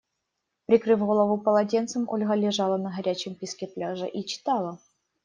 Прикрыв голову полотенцем, Ольга лежала на горячем песке пляжа и читала.